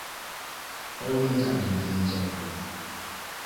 Waliwo entambula ez'enjawulo.